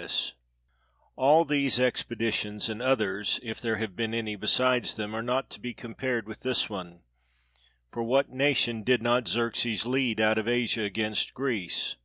347 PERSIA All these expeditions, and any others, if there have been any besides them, are not to be compared with this one. For what nation did not Xerxes lead out of Asia against Greece?